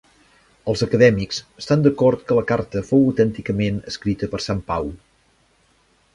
Els acadèmics estan d'acord que la carta fou autènticament escrita per sant Pau.